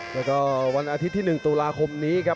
แล้วก็วันอาทิตย์ที่๑ตุลาคมนี้ครับ